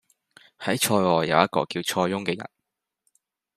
喺塞外有一個叫塞翁嘅人